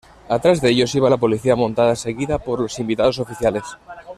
Atrás de ellos iba la policía montada seguida por los invitados oficiales.